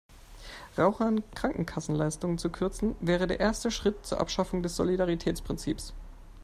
Rauchern Krankenkassenleistungen zu kürzen, wäre der erste Schritt zur Abschaffung des Solidaritätsprinzips.